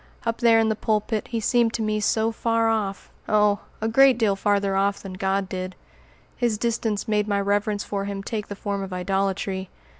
Up there in the pulpit he seemed to me so far off oh! a great deal farther off than God did. His distance made my reverence for him take the form of idolatry.